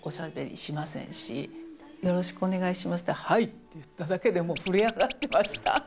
って言っただけでもう震え上がってました。